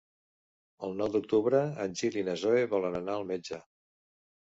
El nou d'octubre en Gil i na Zoè volen anar al metge.